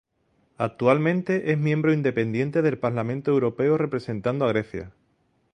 Actualmente, es miembro independiente del Parlamento Europeo representando a Grecia.